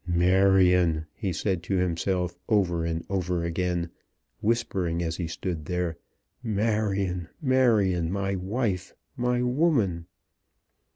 "Marion," he said to himself over and over again, whispering as he stood there. "Marion, Marion; my wife; my woman."